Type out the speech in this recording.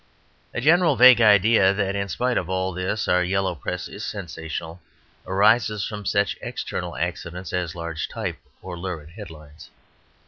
A general vague idea that in spite of all this, our yellow press is sensational, arises from such external accidents as large type or lurid headlines.